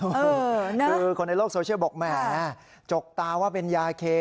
คือคนในโลกโซเชียลบอกแหมจกตาว่าเป็นยาเค